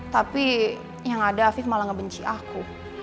tapi yang ada afif malah ngebenci aku